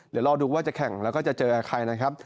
เดี๋ยวรอดูว่าจะแข่งแล้วก็จะเจอกับใครนะครับ